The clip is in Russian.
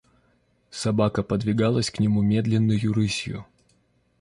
Собака подвигалась к нему медленною рысью.